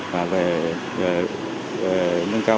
và về nâng cao